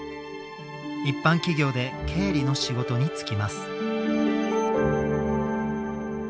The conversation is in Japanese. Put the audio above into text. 一般企業で経理の仕事に就きます。